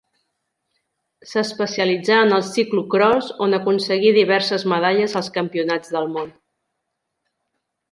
S'especialitzà en el ciclocròs on aconseguí diverses medalles als Campionats del món.